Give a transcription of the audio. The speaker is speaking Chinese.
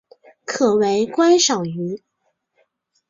可为观赏鱼。